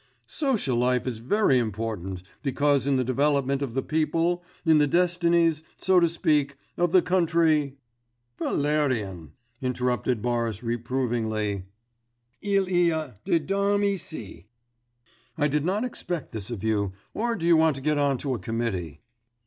'Social life is very important, because in the development of the people, in the destinies, so to speak, of the country ' 'Valérien,' interrupted Boris reprovingly, 'il y a des dames ici. I did not expect this of you, or do you want to get on to a committee?